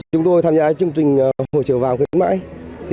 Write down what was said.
chúng tôi tham gia chương trình hồi chiều vàng khuyến mại